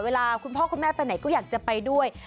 คุณพ่อคุณแม่ไปไหนก็อยากจะไปด้วย